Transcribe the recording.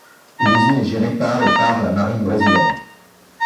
L'usine est gérée par et par la marine brésilienne.